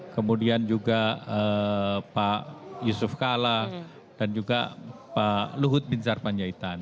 kemudian juga pak yusuf kala dan juga pak luhut bin sarpanjaitan